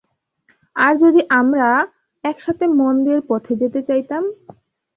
আর যদি আমরা একসাথে মন্দের পথে যেতে চাইতাম?